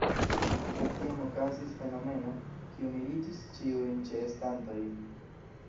Sed tiam okazis fenomeno, kiu miriĝis ĉiujn ĉeestantojn.